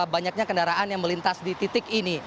banyaknya kendaraan yang melintas di titik ini